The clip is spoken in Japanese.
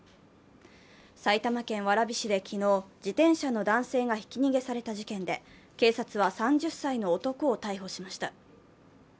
埼玉県蕨市で昨日自転車の男性がひき逃げされた事件で警察は３０歳の男を逮捕しました。